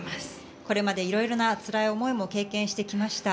これまで色々な、つらい思いも経験してきました。